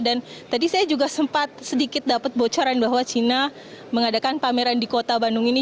dan tadi saya juga sempat sedikit dapat bocoran bahwa china mengadakan pameran di kota bandung ini